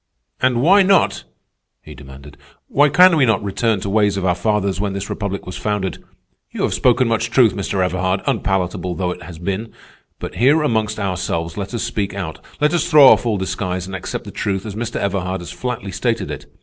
"And why not?" he demanded. "Why can we not return to the ways of our fathers when this republic was founded? You have spoken much truth, Mr. Everhard, unpalatable though it has been. But here amongst ourselves let us speak out. Let us throw off all disguise and accept the truth as Mr. Everhard has flatly stated it.